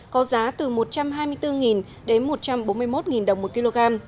có giá từ một trăm hai mươi bốn đến một trăm bốn mươi một đồng một kg